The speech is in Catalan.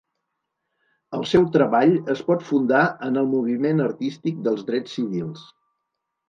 El seu treball es pot fundar en el moviment artístic dels drets civils.